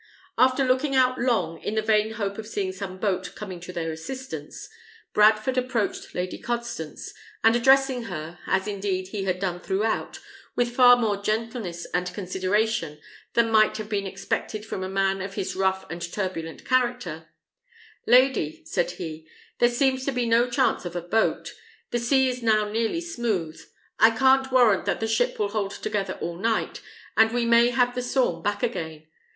After looking out long, in the vain hope of seeing some boat coming to their assistance, Bradford approached Lady Constance, and addressing her, as indeed he had done throughout, with far more gentleness and consideration than might have been expected from a man of his rough and turbulent character, "Lady," said he, "there seems to be no chance of a boat; the sea is now nearly smooth; I can't warrant that the ship will hold together all night, and we may have the storm back again.